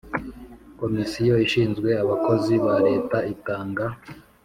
Komisiyo ishinzwe abakozi ba Leta itanga